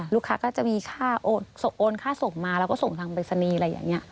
ลูกค้าก็จะมีโอนค่าส่งมาแล้วก็ส่งทางรษณีย์อะไรอย่างนี้